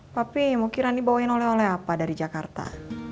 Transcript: papi mau kirani bawain oleh oleh apa dari jakarta